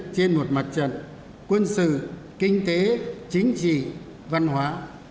trên một mặt trận quân sự kinh tế chính trị văn hóa